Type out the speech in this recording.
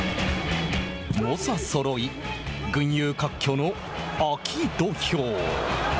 猛者そろい群雄割拠の秋土俵。